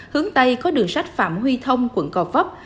hướng tây có đường sách phạm huy thông quận gò vấp